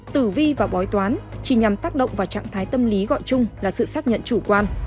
tử vi và bói toán chỉ nhằm tác động vào trạng thái tâm lý gọi chung là sự xác nhận chủ quan